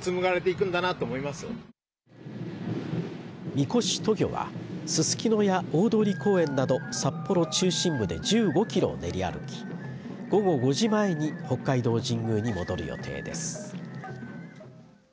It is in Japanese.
神輿渡御はススキノや大通公園など札幌中心部で１５キロを練り歩き午後５時前に北海道神宮に戻る予定です。